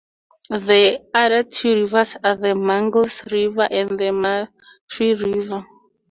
The other two rivers are the Mangles River, and the Matiri River.